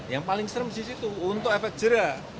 yang paling serem di situ untuk efek jerah